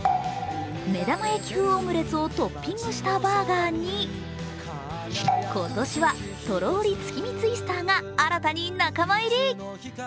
目玉焼き風オムレツをトッピングしたバーガーに今年はとろり月見ツイスターが新たに仲間入り。